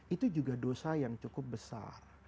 itu juga dosa yang cukup besar